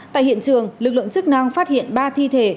tại hiện trường lực lượng chức năng phát hiện ba thi thể